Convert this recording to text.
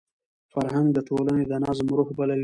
فرهنګ د ټولني د نظم روح بلل کېږي.